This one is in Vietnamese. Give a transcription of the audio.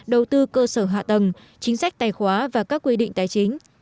đầu tư cơ sở hạ tầng chính sách tài khoá và các quy định tài chính